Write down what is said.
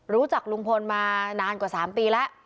รู้จักลุงพลมานานกว่า๓ปีแล้ว